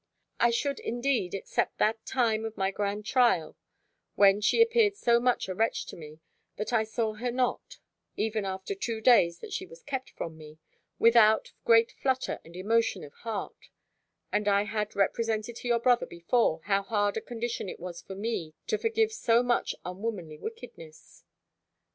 I should indeed except that time of my grand trial when she appeared so much a wretch to me, that I saw her not (even after two days that she was kept from me) without great flutter and emotion of heart: and I had represented to your brother before, how hard a condition it was for me to forgive so much unwomanly wickedness.